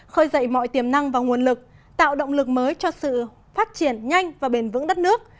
khơi dậy mọi tiềm năng và nguồn lực tạo động lực mới cho sự phát triển nhanh và bền vững đất nước